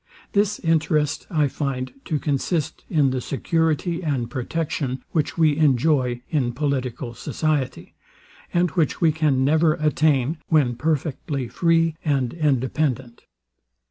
This interest I find to consist in the security and protection, which we enjoy in political society, and which we can never attain, when perfectly free and independent.